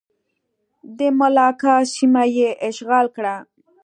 د ملاکا سیمه یې اشغال کړه.